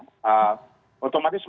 otomatis mereka juga perlu ruang